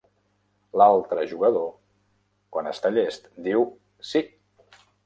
L'altre jugador, quan està llest, diu "Sí".